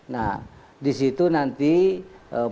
nah di situ nanti mereka